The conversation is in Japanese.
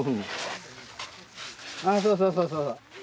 ああそうそうそうそう。